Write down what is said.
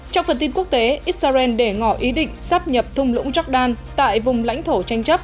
trong phần tin quốc tế israel để ngỏ ý định sắp nhập thung lũng jordan tại vùng lãnh thổ tranh chấp